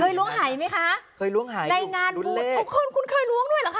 เคยล้วงไห่ไหมคะเคยล้วงไห่ในงานบุญลุ้นเลขโอ้คุณคุณเคยล้วงด้วยหรอค่ะ